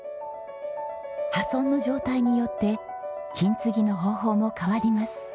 破損の状態によって金継ぎの方法も変わります。